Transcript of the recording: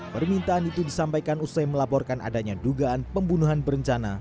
permintaan itu disampaikan usai melaporkan adanya dugaan pembunuhan berencana